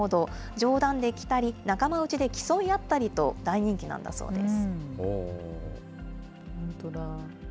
冗談で着たり、仲間内で競い合ったりと、大人気なんだそうです。